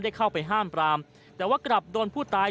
เข้าไปห้ามปรามแต่ว่ากลับโดนผู้ตาย